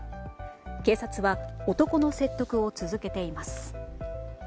警察は男の説得を続けています。